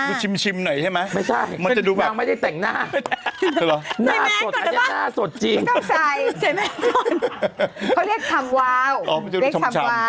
มันจะดูชิมหน่อยใช่ไหมไม่ใช่มันจะดูแบบนางไม่ได้แต่งหน้าหน้าสดจริงไม่ต้องใส่เขาเรียกชำวาว